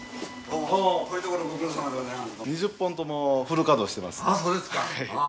２０本ともフル稼働してます。